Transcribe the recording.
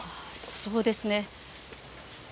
そうですねあ。